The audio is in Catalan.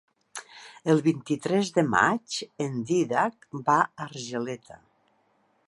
El vint-i-tres de maig en Dídac va a Argeleta.